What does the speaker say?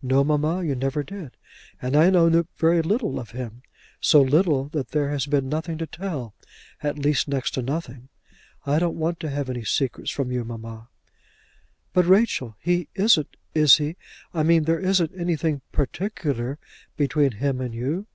"No, mamma; you never did. And I know very little of him; so little that there has been nothing to tell, at least next to nothing. I don't want to have any secrets from you, mamma." "But, Rachel, he isn't, is he ? I mean there isn't anything particular between him and you?